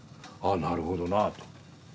あなるほどなあと。